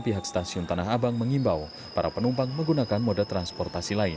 pihak stasiun tanah abang mengimbau para penumpang menggunakan moda transportasi lain